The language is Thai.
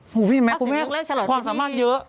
หูยพี่เห็นไหมความสามารถเยอะ